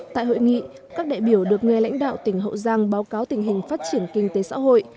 tại hội nghị các đại biểu được nghe lãnh đạo tỉnh hậu giang báo cáo tình hình phát triển kinh tế xã hội